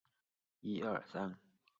他是段廉义侄儿。